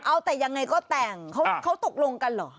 เอาแต่ยังไงก็แต่งเขาตกลงกันเหรอ